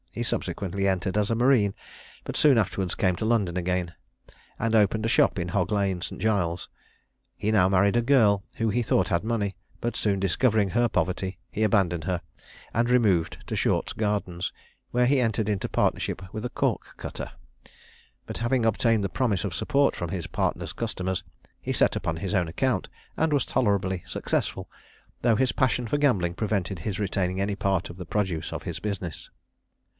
He subsequently entered as a marine, but soon afterwards came to London again, and opened a shop in Hog lane, St. Giles's. He now married a girl who he thought had money; but soon discovering her poverty, he abandoned her, and removed to Short's Gardens, where he entered into partnership with a cork cutter; but having obtained the promise of support from his partner's customers, he set up on his own account, and was tolerably successful, though his passion for gambling prevented his retaining any part of the produce of his business.